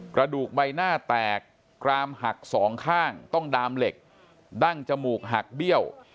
กระดูกใบหน้าแตกกรามหักสองข้างต้องดามเหล็กดั้งจมูกหักเบี้ยว